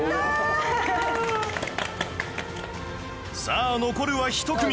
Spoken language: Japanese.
さあ残るは１組